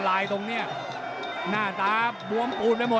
ฝ่ายทั้งเมืองนี้มันตีโต้หรืออีโต้